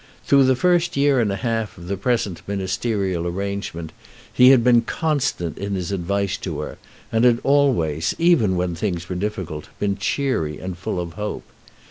Through the first year and a half of the present ministerial arrangement he had been constant in his advice to her, and had always, even when things were difficult, been cheery and full of hope.